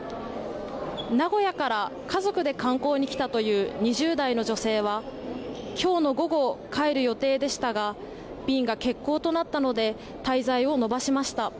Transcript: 名古屋から家族で観光に来たという２０代の女性はきょうの午後帰る予定でしたが便が欠航となったので滞在を延ばしました。